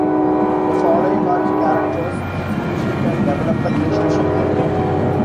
The following are characters Shinji can develop a relationship with.